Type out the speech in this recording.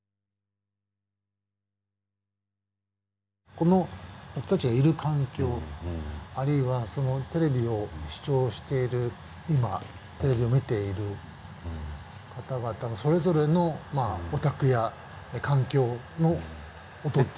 この僕たちがいる環境あるいはテレビを視聴している今テレビを見ている方々のそれぞれのお宅や環境の音っていうのもあるわけですね。